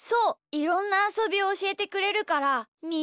いろんなあそびをおしえてくれるからみ